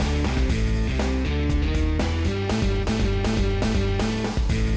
ya pak gimana sih